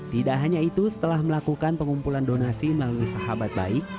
tidak hanya itu setelah melakukan pengumpulan donasi melalui sahabat baik